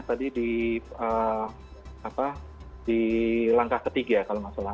tadi di langkah ketiga kalau nggak salah